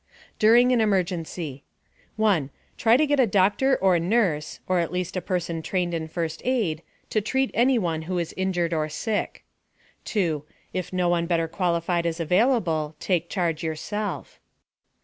DURING AN EMERGENCY 1. Try to get a doctor or nurse (or at least a person trained in first aid) to treat anyone who is injured or sick. 2. If no one better qualified is available, take charge yourself.